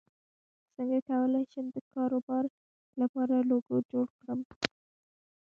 څنګه کولی شم د کاروبار لپاره لوګو جوړ کړم